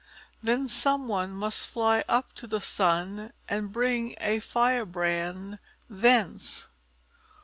Then some one must fly up to the sun and bring a firebrand thence.